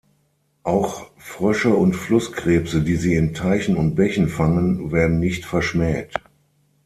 Auch Frösche und Flusskrebse, die sie in Teichen und Bächen fangen, werden nicht verschmäht.